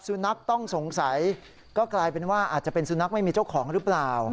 สุนัขต้องสงสัยก็กลายเป็นว่าอาจจะเป็นสุนัขไม่มีเจ้าของหรือเปล่า